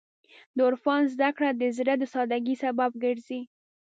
د عرفان زدهکړه د زړه د سادګۍ سبب ګرځي.